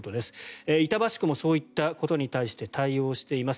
板橋区もそういったことに対して対応しています。